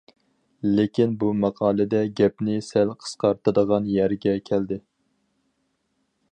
لېكىن بۇ ماقالىدە گەپنى سەل قىسقارتىدىغان يەرگە كەلدى.